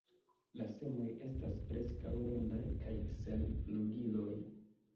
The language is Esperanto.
La semoj estas preskaŭ rondaj kaj sen flugiloj.